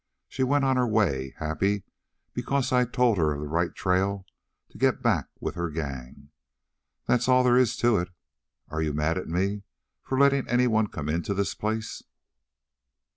She went on her way, happy, because I told her of the right trail to get back with her gang. That's all there is to it. Are you mad at me for letting anyone come into this place?"